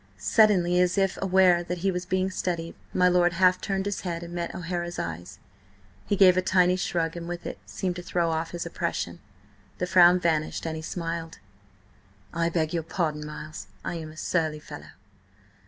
Suddenly, as if aware that he was being studied, my lord half turned his head and met O'Hara's eyes. He gave a tiny shrug and with it seemed to throw off his oppression. The frown vanished, and he smiled. "I beg your pardon, Miles. I am a surly fellow."